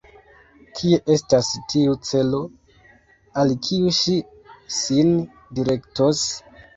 Kie estas tiu celo, al kiu ŝi sin direktos?